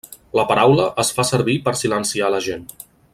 La paraula es fa servir per silenciar a la gent.